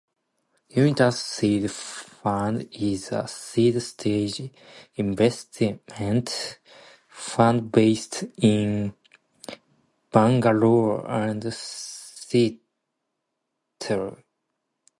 Unitus Seed Fund is a seed-stage investment fund based in Bangalore and Seattle.